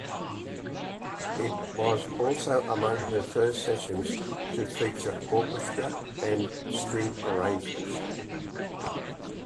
It was also among her first sessions to feature orchestra and string arrangements.